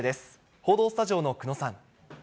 報道スタジオの久野さん。